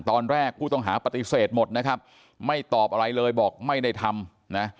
ตอนแรกผู้ต้องหาปฏิเสธหมดนะครับไม่ตอบอะไรเลยบอกไม่ได้ทำนะ